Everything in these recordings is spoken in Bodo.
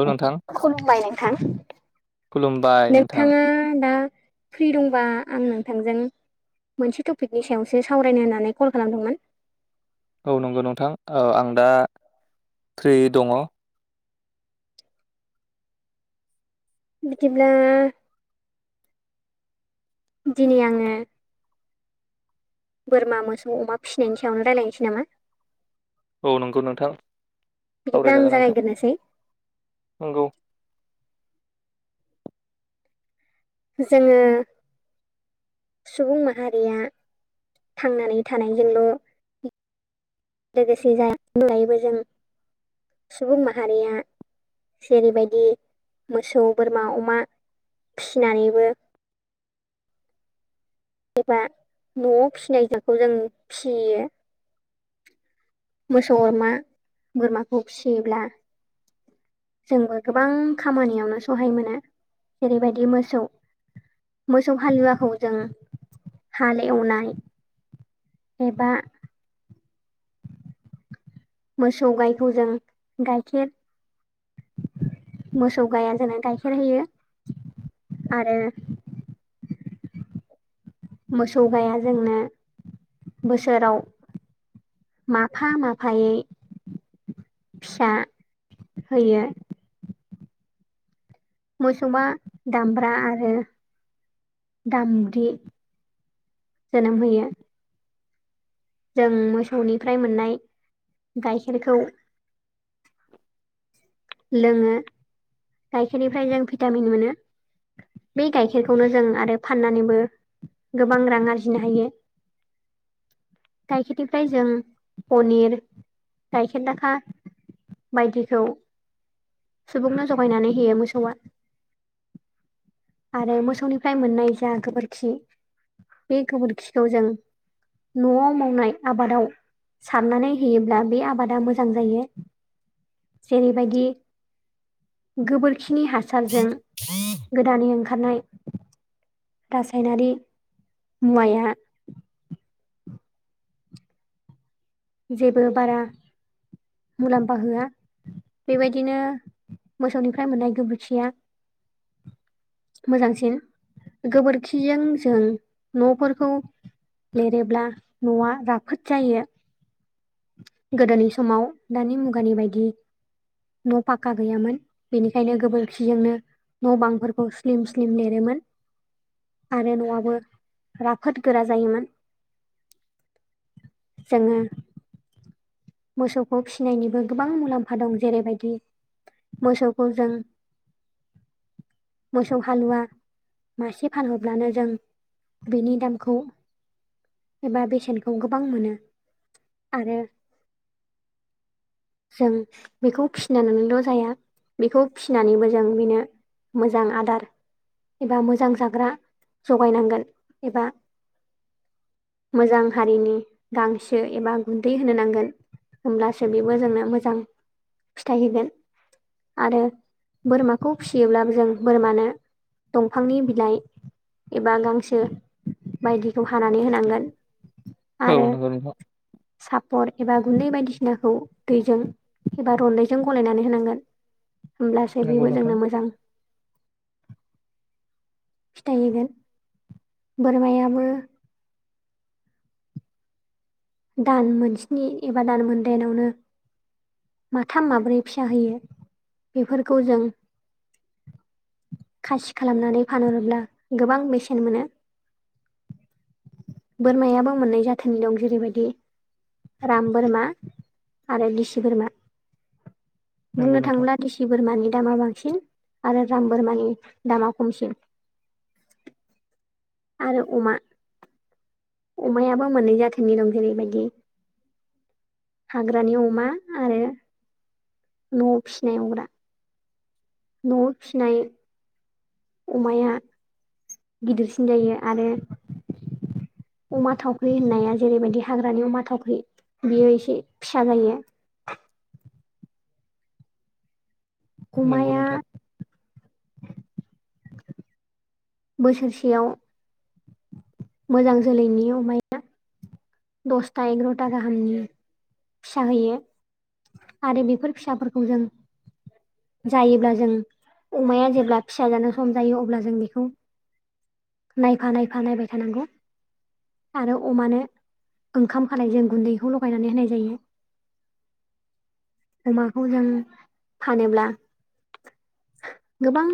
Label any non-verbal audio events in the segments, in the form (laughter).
औ नोंथां खुलुमबाय नोंथां खुलुमबाय नोंथां नोंथाङा दा फ्रि दंबा आं नोंथांजों मोनसे टपिकनि सायावसो सावरायनो होननानै कल खालामदोंमोन। औ नंगौ नोंथां औ आं दा फ्रियै दङ। बिदिब्ला दिनै आङो बोरमा मोसौ अमा फिसिनायनि सायावनो रायज्लायनोसै नामा? औ नंगौ नोंथां बिदिब्ला आं सावरायजागोन नोंथां जागायग्रोनोसै नंगौ। जोङो सुबुं माहारिया थांनानै थानायजोंल' लोगोसे जाय अनगायैबो जों सुबुं माहारिया जेरैबायदि मोसौ बोरमा अमा फिनानैबो एबा न'आव फिनायखौ जों फिसियो मोसौ अमा बोरमाखौ फिसियोब्ला जोंबो गोबां खामानियावनो सहाय मोनो जेरैबायदि मोसौ, मोसौ हालुवाखौ जों हाल एउनाय एबा मोसौ गायखौ जों गाइखेर मोसौ गाया जोंनो गाइखेर होयो आरो मोसौ गाया जोंनो बोसोराव माफा माफायै फिसा होयो। मोसौआ दामब्रा आरो दामब्रि जोनोम होयो। जों मोसौनिफ्राय मोननाय गाइखेरखौ लोङो, गायखेरनिफ्राय जों भिटामिन मोनो। बे गाइखेरखौनो जों आरो फाननानैबो गोबां रां आरजिनो हायो। गाइखेरनिफ्राय जों पनिर, गाइखेर दाखा बायदिखौ सुबुंनो जगायनानै होयो मोसौआ आरो मोसौनिफ्राय मोननाय जा गोबोरखि बे गोबोरखिखौ जों न'आव मावनाय आबादाव सारनानै होयोब्ला बे आबादा मोजां जायो। जेरैबायदि गोबोरखिनि हासारजों गोदानै ओंखारनाय रासायनारि मुवाया जेबो बारा मुलाम्फा होआ। बेबायदिनो मोसौनिफ्राय मोननाय गोबोरखिया मोजांसिन। गोबोरखिजों जों न'फोरखौ लिरोब्ला न'आ राफोद जायो। गोदोनि समाव दानि मुगानि बायदि न' फाक्का गैयामोन बेनिखायनो गोबोरखिजोंनो न' बांफोरखौ स्लिम स्लिम लिरोमोन आरो न'आबो राफोद गोरा जायोमोन। जोङो मोसौखौ फिसिनायनिबो गोबां मुलाम्फा दं जेरैबायदि मोसौखौ जों मोसौ हालुवा मासे फानहरब्लानो जों बेनि दामखौ एबा बेसेनखौ गोबां मोनो आरो जों बेखौ फिसिनानैल' जाया, बेखौ फिनानैबो जों बेनो मोजां आदार एबा मोजां जाग्रा जगायनांगोन एबा मोजां हारिनि गांसो एबा गुन्दै होनो नांगोन होमब्लासो बेबो जोंनो मोजां फिथाइ होगोन। आरो बोरमाखौ फिसियोब्लाबो जों बोरमानो दंफांनि बिलाइ एबा गांसो बायदिखौ हानानै होनांगोन। औ नंगौ नोंथां। साफर एबा गुन्दै बायदिसिनाखौ दैजों एबा रन्दैजों गलायनानै होनांगोन, होमब्लासो नंगौ बेबो नोंथां जोंनो मोजां फिथाइ होगोन। बोरमायाबो दान मोनस्नि एबा दान मोनदाइनावनो माथाम माब्रै फिसा होयो। बेफोरखौ जों खासि खालामनानै फानहरोब्ला गोबां बेसेन मोनो। बोरमायाबो मोन्नै जाथोनि दं जेरैबायदि दि राम बोरमा आरो दिसि बोरमा। नंगौ बुंनो नोंथां थाङोब्ला दिसि बोरमानि दामा बांसिन। आरो राम बोरमानि दामा खमसिन। आरो अमा अमायाबो मोननै जाथिनि दं जेरैबायदि हाग्रानि अमा आरो न'आव फिसिनाय अमा। न'आव फिसिनाय अमाया गिदिरसिन जायो आरो अमा थावख्रि होननाया जेरैबायदि हाग्रानि अमा थावख्रि बियो एसे फिसा जायो। नंगौ अमाया नोंथां बोसोरसेयाव मोजां जोलैनि अमाया दसथा एग्र'था गाहामनि फिसा होयो। आरो बेफोर फिसाफोरखौ जों जायोब्ला जों अमाया जेब्ला फिसा जानो सम जायो अब्ला जों बेखौ नायफा नायफा नायबाय थानांगौ। आरो अमानो ओंखाम खालायजों गुन्दैखौ लगायनानै होनाय जायो। अमाखौ जों फानोब्ला गोबां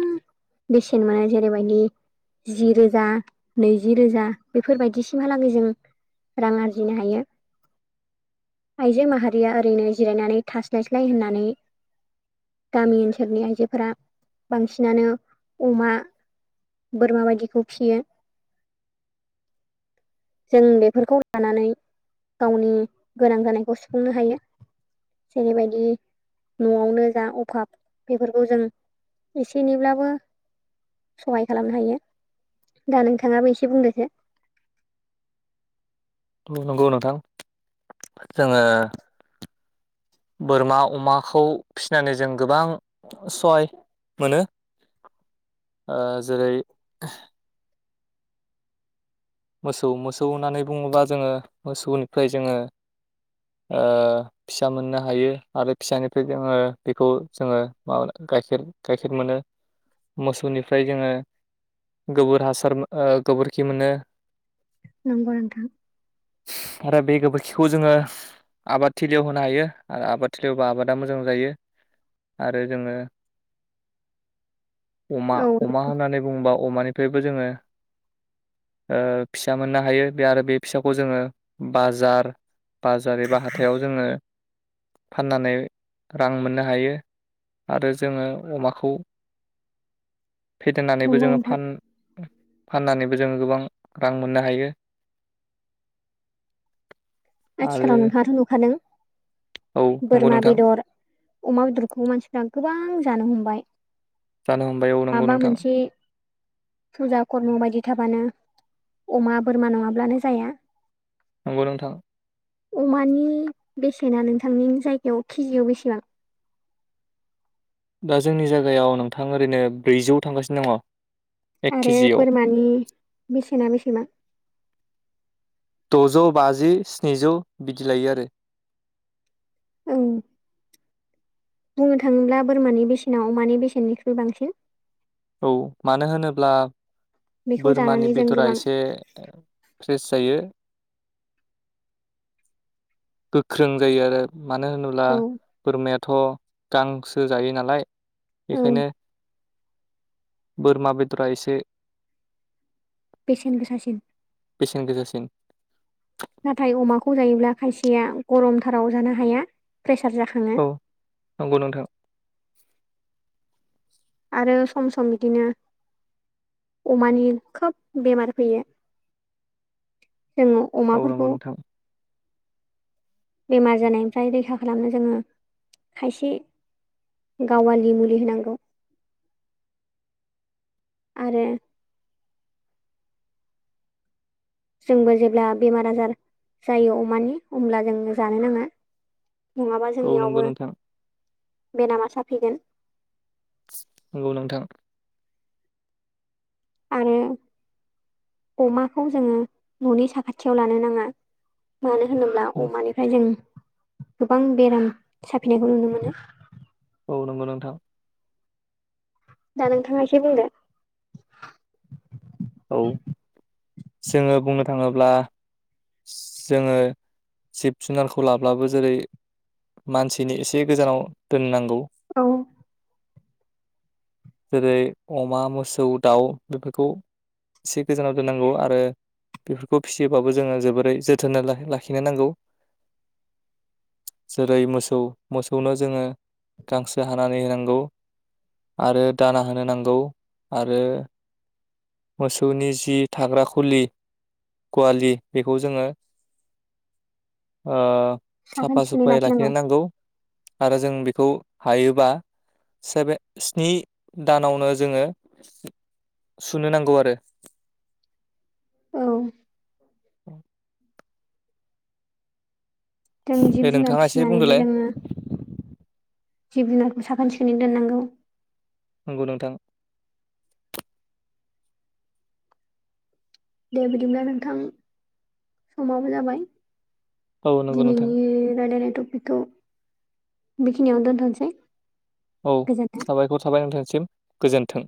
बेसेन मोनो जेरैबायदि जिरोजा नैज जि रोजा बेफोरबायदिसिम हालागै जों रां आरजिनो हायो। आइजो माहारिया ओरैनो जिरायनानै थास्लायस्लाय होननानै गामि ओनसोलनि आइजोफोरा बांसिनानो अमा बोरमा बायदिखौ फियो। जों बेफोरखौ लानानै गावनि गोनां जानायखौ सुफुंनो हायो। जेरैबायदि न'आवनो जा अभाब बेफोरखौ जों एसे एनैब्लाबो सहाय खालामनो हायो दा नोंथाङाबो एसे बुंदोसो। औ नंगौ नोंथां जोङो बोरमा अमाखौ फिनानै जों गोबां सहाय मोनो ओ जेरै मोसौ मोसौ होननानै बुङोब्ला जोङो मोसौनिफ्राय जोङो ओ फिसा मोननो हायो आरो फिसानिफ्राय जोङो बेखौ जोङो मामोनलाय गाइखेर गाइखेर मोनो मोसौनिफ्राय जोङो गोबोर हासार ओ गोबोरखि मोनो नंगौ नोंथां। आरो बे गोबोरखिखौ जोङो आबाद थिलियाव होनो हायो ओ आबाद थिलियावबा आबादा मोजां जायो। आरो जोङो अमा औ अमा होननानै बुङोबा अमानिफ्रायबो जोङो ओ फिसा मोननो हायो बे आरो बे फिसाखौ जोङो बाजार बाजार एबा हाथायाव जोङो फाननानै रां मोननो हायो। आरो जोङो अमाखौ फेदेरनानैबो नंगौ जोङो नोंथां फान-फान्नानैबो जोङो गोबां रां मोननो हायो। आरो आथिखालाव नोंहाथ' नुखादों औ नंगौ बोरमा नोंथां बेदर अमा बेदरखौ मानसिफ्रा गोबां जानो हमबाय जानो हमबाय औ नंगौ माबा नोंथाङा मोनसे फुजा खर्म बायदि थाबानो अमा बोरमा नङाब्लानो जाया नंगौ नोंथां अमानि बेसेना नोंथांनि जायगायाव केजियाव बेसेबां दा जोंनि जायगायाव नोंथां ओरैनो ब्रैजौ थांगासिनो दङ एक आरो केजियाव बोरमानि बेसेना बेसेबां द'जौ बाजि स्निजौ बिदि लायो आरो औ बुंनो थाङोब्ला बोरमानि बेसेनाव अमानि बेसेननिख्रुइ बांसिन औ मानो होनोब्ला बेखौ बोरमानि जानानै जों बेदरा गोबां एसे फ्रेस जायो गोख्रों जायो आरो मानो होनोब्ला औ बोरमायाथ' गांसो जायो नालाय औ बेखायनो बोरमा बेदरा एसे बेसेन गोसासिन बेसेन गोसासिन नाथाय अमाखौ जायोब्ला खायसेया गरमथाराव जानो हाया प्रेसार जाखाङो औ नंगौ नोंथां आरो सम सम बिदिनो अमानि खोब बेमार फैयो जोङो औ नंगौ अमाफोरखौ नोंथां बेमार जानायनिफ्राय रैखा खालामनो जोङो खायसे गावालि मुलि होनांगौ आरो जोंबो जेब्ला बेमार आजार जायो अमानि हब्ला जों जानो नाङा नङाबा औ नंगौ जोंनियावबो नोंथां बेरामा साफिगोन नंगौ नोंथां आरो अमाखौ जोङो न'नि साखाथियाव लानो नाङा मानो होनोब्ला अमानिफ्राय जों गोबां बेराम साफिनायखौ नुनो मोनो। औ नंगौ नोंथां दा नोंथांआ एसे बुंदो। औ जोङो बुंनो थाङोब्ला जोङो जिब जुनारखौ लाब्लाबो जेरै मानसिनि एसे गोजानाव दोननांगौ। औ। जेरै अमा, मोसौ, दाउ बेफोरखौ एसे गोजानाव दोननांगौ‌ आरो बेफोरखौ फिसियोबाबो जोङो जोबोरै जोथोन ओ लाखिनो नांगौ। जेरै मोसौ मोसौनो जोङो गांसो हानानै होनांगौ। आरो दाना होनो नांगौ आरो मोसौनि जि थाग्रा खुलि गवालि बेखौ जोङो ओ‌ साखोन साफा सिखोनै सुफायै लाखिनो लाखिनांगौ नांगौ आरो जों बेखौ हायोबा सेभेन स्नि दानावनो जोङो सुनो नांगौ आरो। औ। (inaudible) जों दे जिब जुनार नोंथाङा एसे फिसिनानैबो बुंदोलाय जोङो जिब जुनारखौ साखोन सिखोनै दोननांगौ। नंगौ नोंथां। दे बिदिब्ला नोंथां समाबो जाबाय औ नंगौ नोंथां दिनैनि रायलायनाय टपिकखौ बेखिनियावनो दोनथ'नोसै। औ गोजोन्थों साबायखर थाबाय नोंथांनिसिम गोजोन्थों।